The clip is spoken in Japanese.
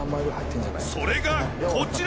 それがこちら！